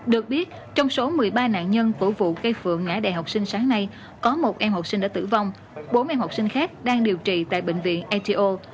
được biết trong số một mươi ba nạn nhân của vụ cây phượng ngã đẻ học sinh sáng nay có một em học sinh đã tử vong bốn em học sinh khác đang điều trị tại bệnh viện etio